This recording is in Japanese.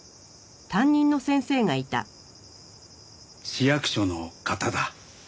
市役所の方だ。